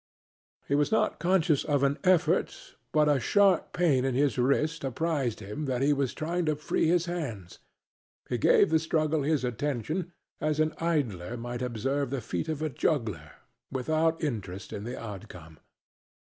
He was not conscious of an effort, but a sharp pain in his wrist apprised him that he was trying to free his hands. He gave the struggle his attention, as an idler might observe the feat of a juggler, without interest in the outcome.